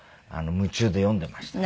夢中で読んでましたね。